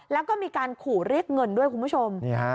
แล้วก็มีการขู่เรียกเงินด้วยคุณผู้ชม